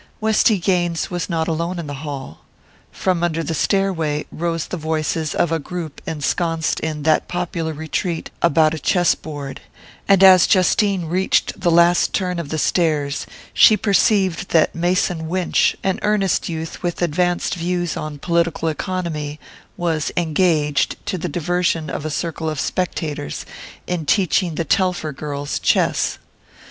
Westy Gaines was not alone in the hall. From under the stairway rose the voices of a group ensconced in that popular retreat about a chess board; and as Justine reached the last turn of the stairs she perceived that Mason Winch, an earnest youth with advanced views on political economy, was engaged, to the diversion of a circle of spectators, in teaching the Telfer girls chess.